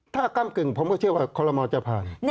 ถ้าก้ำกึ่งผมก็เชื่อว่าคอลโมจะผ่าน